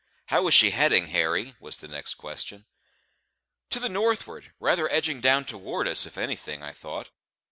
"How is she heading, Harry?" was the next question. "To the northward, rather edging down towards us, if anything, I thought."